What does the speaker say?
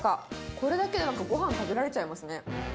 これだけでごはん食べられちゃいますね。